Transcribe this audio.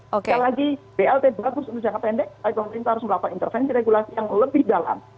sekali lagi blt bagus untuk jangka pendek tapi pemerintah harus melakukan intervensi regulasi yang lebih dalam